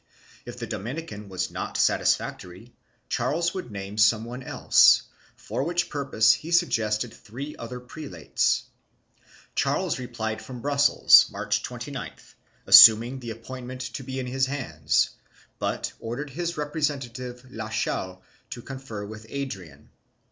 If the Dominican was not satisfactory, Charles could name some one else, for which purpose he suggested three other prelates. Charles replied from Brussels, March 29th, assuming the appoint ment to be in his hands, but ordered his representative Lachaulx to confer with Adrian.